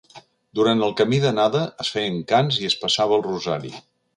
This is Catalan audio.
Durant el camí d’anada es feien cants i es passava el rosari.